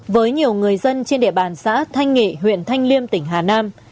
với nhiều người dân trên địa bàn xã thanh nghị huyện thanh liêm tỉnh hà nam